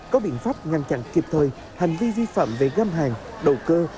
có biện pháp ngăn chặn kịp thời hành vi vi phạm về găm hàng đầu cơ